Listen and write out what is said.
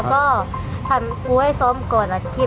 กูต้องซ่อมก่อนอัดคลิป